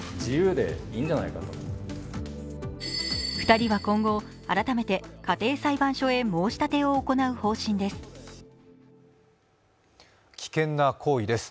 ２人は今後、改めて家庭裁判所へ申し立てを行う方針です。